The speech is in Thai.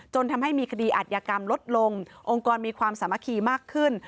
ทำให้มีคดีอัธยกรรมลดลงองค์กรมีความสามัคคีมากขึ้น